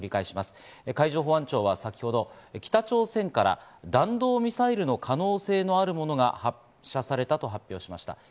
繰り返します、海上保安庁は北朝鮮から弾道ミサイルの可能性のあるものが発射されたと発表しました。